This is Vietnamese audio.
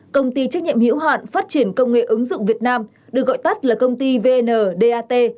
công ty trách nhiệm hiểu hạn phát triển công nghệ ứng dụng việt nam được gọi tắt là công ty vndat